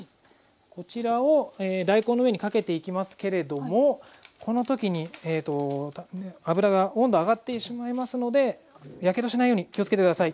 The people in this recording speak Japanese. こちらを大根の上にかけていきますけれどもこの時に油が温度上がってしまいますのでやけどしないように気を付けて下さい。